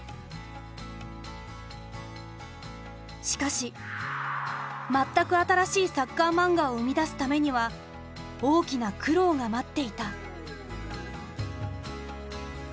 しかし全く新しいサッカーマンガを生み出すためには大きな苦労が待っていた。